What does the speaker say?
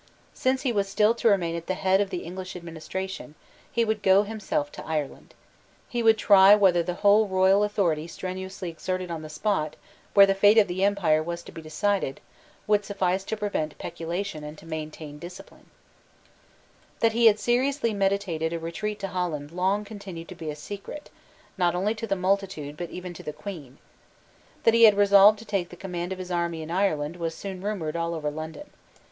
Since he was still to remain at the head of the English administration, he would go himself to Ireland. He would try whether the whole royal authority strenuously exerted on the spot where the fate of the empire was to be decided, would suffice to prevent peculation and to maintain discipline, That he had seriously meditated a retreat to Holland long continued to be a secret, not only to the multitude, but even to the Queen, That he had resolved to take the command of his army in Ireland was soon rumoured all over London.